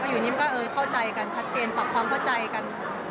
อยู่นี้มันก็เข้าใจกันชัดเจนปรับความเข้าใจกัน